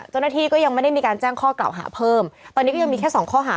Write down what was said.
เจ้าหน้าที่ก็ยังไม่ได้มีการแจ้งข้อกล่าวหาเพิ่มตอนนี้ก็ยังมีแค่สองข้อหา